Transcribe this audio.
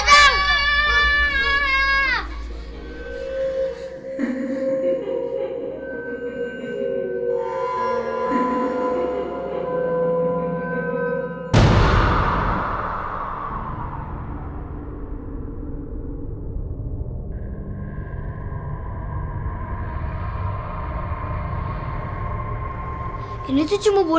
tidak ada yang bisa dipercaya